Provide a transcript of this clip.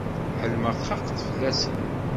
Ԑelmeɣ txaqeḍ fell-asen.